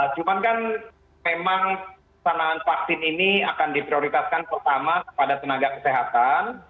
cuman kan memang sarangan vaksin ini akan diprioritaskan pertama kepada tenaga kesehatan